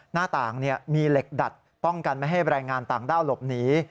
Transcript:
หน้าต่างมีเหล็กดัดป้องกันไม่ให้แรงงานต่างด้าวหลบหนี